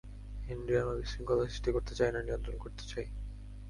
Henry, আমরা বিশৃঙ্খলা সৃষ্টি করতে চাই না, নিয়ন্ত্রণ করতে চাই।